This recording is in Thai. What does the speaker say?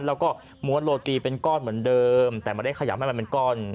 แล้วก็ม้วนโรตีเป็นก้อนเหมือนเดิมแต่ไม่ได้ขยำให้มันเป็นก้อน